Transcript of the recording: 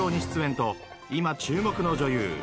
出演と今注目の女優